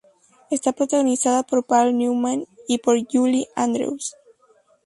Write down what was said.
Está protagonizada por Paul Newman y por Julie Andrews.